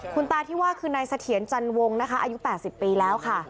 คุณตาที่ว่าคือนายเสถียรจันวงนะคะอายุ๘๐ปีแล้วค่ะ